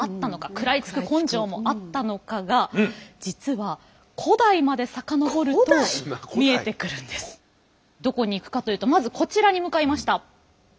食らいつく根性もあったのかが実はどこに行くかというとまずこちらに向かいました。